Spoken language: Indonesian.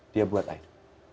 dia buat air